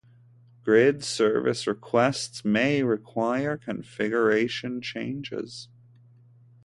Grid service requests may require configuration changes.